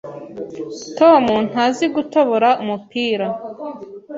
Tom ntazi gutobora umupira.